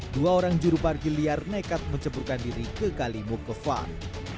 dua orang juru parkir liar nekat mencepurkan diri ke kalimuk kevan